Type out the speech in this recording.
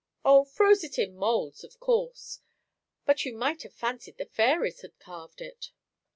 "O, froze it in moulds, of course. But you might have fancied the fairies had carved it.